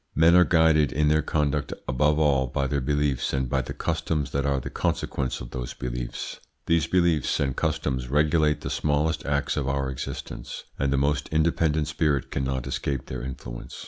Men are guided in their conduct above all by their beliefs and by the customs that are the consequence of those beliefs. These beliefs and customs regulate the smallest acts of our existence, and the most independent spirit cannot escape their influence.